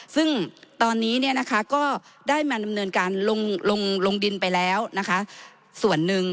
ซึ่งตอนนี้ก็ได้มาดำเนินการลงดินไปแล้วนะคะส่วนหนึ่ง